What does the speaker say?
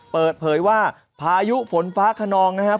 เปิดเผยว่าพายุฝนฟ้าขนองนะครับ